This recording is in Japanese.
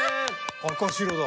赤白だ。